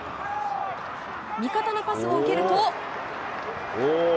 味方のパスを受けると。